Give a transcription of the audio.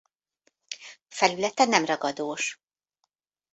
Felülete nem ragadós.